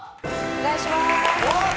お願いします。